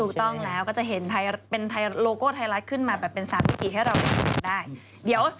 ถูกต้องแล้วก็จะเห็นเป็นโลโก้ไทยรัฐขึ้นมาแบบเป็น๓พิธีให้เราได้ชมได้เดี๋ยว